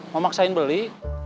mau maksain beli